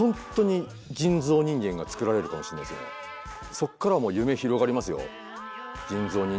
そっからはもう夢広がりますよ。